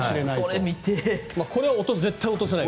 そこは絶対落とせない。